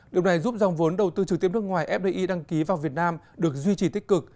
điều này giúp dòng vốn đầu tư trực tiếp nước ngoài fdi đăng ký vào việt nam được duy trì tích cực